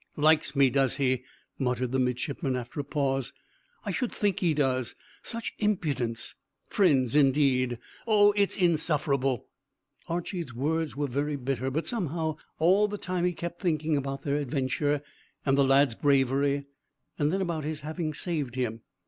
"Likes me, does he?" muttered the midshipman, after a pause. "I should think he does. Such impudence! Friends indeed! Oh, it's insufferable!" Archy's words were very bitter, but, somehow, all the time he kept thinking about their adventure, and the lad's bravery, and then about his having saved him.